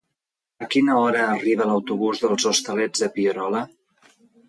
A quina hora arriba l'autobús dels Hostalets de Pierola?